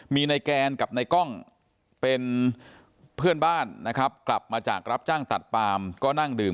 มีนายแกนกับในกล้องเป็นเพื่อนบ้านนะครับกลับมาจากรับจ้างตัดปามก็นั่งดื่ม